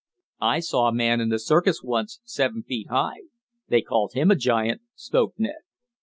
"I saw a man in the circus once, seven feet high. They called him a giant," spoke Ned.